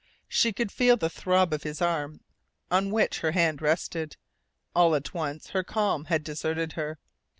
She could feel the throb of his arm on which her hand rested. All at once her calm had deserted her.